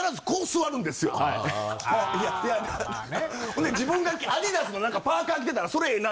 ほんで自分がアディダスのパーカー着てたら「それええな」